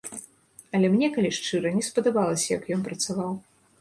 Але мне, калі шчыра, не спадабалася, як ён працаваў.